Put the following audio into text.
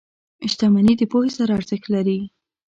• شتمني د پوهې سره ارزښت لري.